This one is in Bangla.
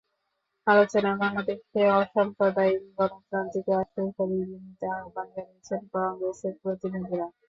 আলোচনায় বাংলাদেশকে অসাম্প্রদায়িক গণতান্ত্রিক রাষ্ট্র হিসেবে এগিয়ে নিতে আহ্বান জানিয়েছেন কংগ্রেসের প্রতিনিধিরা।